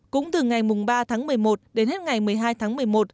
cũng từ ngày ba tháng một mươi một đến hết ngày một mươi hai tháng một mươi một